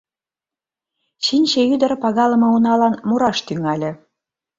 Чинче ӱдыр пагалыме уналан мураш тӱҥале.